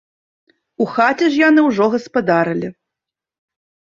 У хаце ж яны ўжо гаспадарылі.